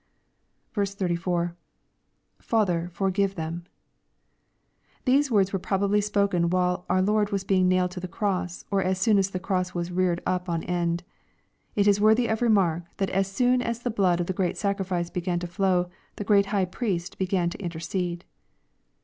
M. — [Father, forgive theni.'] These words were probably spoken while our Lord was being nailed to the cross, or as soon as the cross was reared np on end. It is worthy of remark that as soon as the blood of the Great Sacrifice began to flow, the Q reat High Priest began to intercede.